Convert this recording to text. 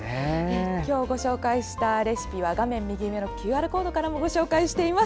今日ご紹介したレシピは画面右上のＱＲコードからもご覧いただけます。